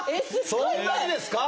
そんなにですか？